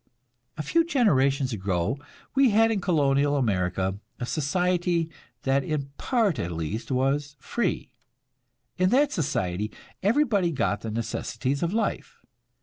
A few generations ago we had in colonial America a society that in part at least was "free." In that society everybody got the necessities of life.